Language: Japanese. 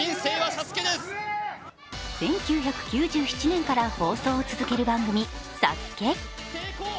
１９９７年から放送を続ける番組「ＳＡＳＵＫＥ」。